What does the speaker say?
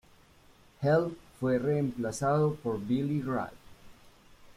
Hell fue reemplazado por Billy Rath.